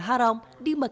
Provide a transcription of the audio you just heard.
di jawa timur di jawa timur